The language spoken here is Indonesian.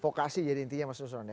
vokasi jadi intinya mas nusron ya